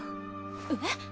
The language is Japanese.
えっ？